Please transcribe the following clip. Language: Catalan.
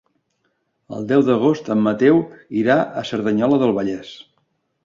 El deu d'agost en Mateu irà a Cerdanyola del Vallès.